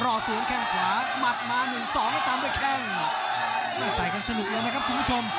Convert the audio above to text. รอสูงแค้งขวาหมัดมา๑แล้วทางด้วยแค้ง